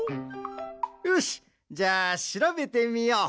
よし！じゃあしらべてみよう。